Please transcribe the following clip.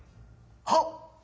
はっ！